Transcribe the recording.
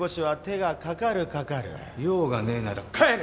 用がねえなら帰れ！